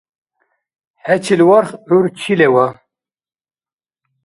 ХӀечил варх гӀур чи лева?